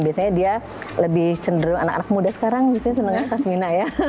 biasanya dia lebih cenderung anak anak muda sekarang biasanya senengnya pasmina ya